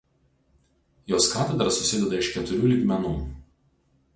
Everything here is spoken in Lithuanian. Jos katedra susideda iš keturių lygmenų.